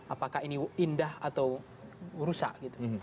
apakah ini indah atau rusak gitu